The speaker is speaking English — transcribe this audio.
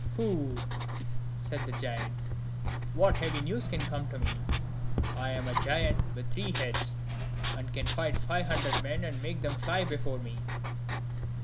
"Pooh!" said the giant, "what heavy news can come to me? I am a giant with three heads, and can fight five hundred men, and make them fly before me."